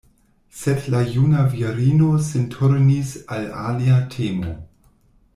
Sed la juna virino sin turnis al alia temo.